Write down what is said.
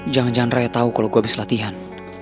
jangan jangan raya tau kalo gue abis latihan